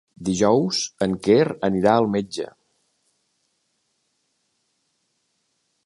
Dijous en Quer anirà al metge.